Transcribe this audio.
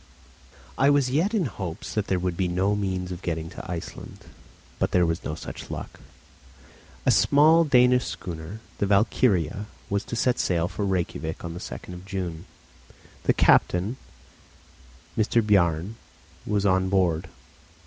I was yet in hopes that there would be no means of getting to Iceland. But there was no such luck. A small Danish schooner, the Valkyria, was to set sail for Rejkiavik on the 2nd of June. The captain, M. Bjarne, was on board.